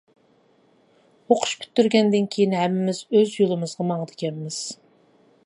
ئوقۇش پۈتتۈرگەندىن كېيىن ھەممىمىز ئۆز يولىمىزغا ماڭىدىكەنمىز.